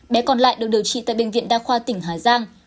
bé còn lại được điều trị tại bệnh viện đa khoa tỉnh hà giang